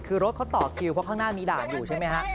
คือรถเขาต่อคิวเพราะข้างหน้ามีด่านอยู่ใช่ไหมฮะ